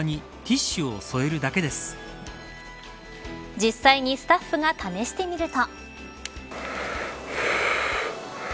実際にスタッフが試してみると。